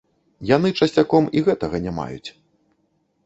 Яны часцяком і гэтага не маюць.